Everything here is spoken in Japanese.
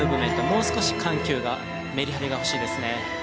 もう少し緩急がメリハリが欲しいですね。